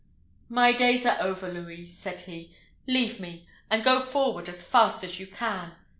"My days are over, Louis," said he: "leave me, and go forward as fast as you can.